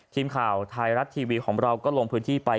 ทีมข่าวไทยรัฐทีวีของเราก็ลงพื้นที่ไป